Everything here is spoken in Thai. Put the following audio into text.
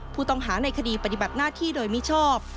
ผู้ต้องหาในคดีปฏิบัติหน้าที่โดยมิชอบ